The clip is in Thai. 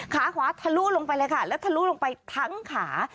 ขาขวาทะลุลงไปเลยค่ะแล้วทะลุลงไปทั้งขา